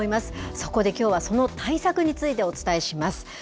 そこできょうは、その対策についてお伝えします。